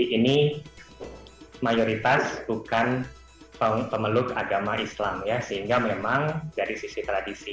ini mayoritas bukan pemeluk agama islam ya sehingga memang dari sisi tradisi